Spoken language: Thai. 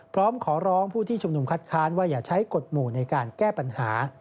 พร้อมขอร้องผู้ที่ชุมนุมคัดค้านว่าอย่าใช้กฎหมู่ในการแก้ปัญหา